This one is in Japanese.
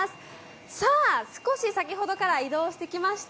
さあ、少し先ほどから移動してきました。